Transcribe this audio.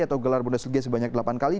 atau gelar bundesliga sebanyak delapan kali